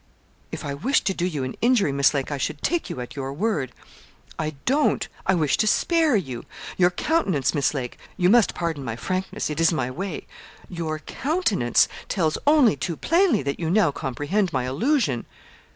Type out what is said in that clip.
'If I wished to do you an injury, Miss Lake, I should take you at your word. I don't I wish to spare you. Your countenance, Miss Lake you must pardon my frankness, it is my way your countenance tells only too plainly that you now comprehend my allusion.'